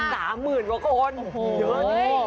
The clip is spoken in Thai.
๓หมื่นกว่าคนเยอะดี